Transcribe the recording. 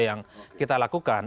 sampai yang kita lakukan